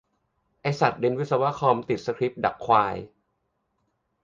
ไอสัสเรียนวิศวคอม ติดสคริปดักควาย !